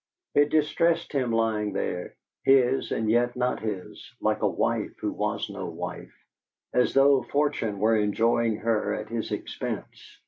It distressed him lying there, his and yet not his, like a wife who was no wife as though Fortune were enjoying her at his expense.